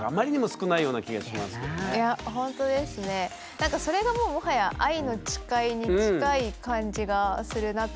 なんかそれがもうもはや愛の誓いに近い感じがするなと思って。